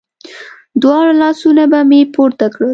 دواړه لاسونه به مې پورته کړل.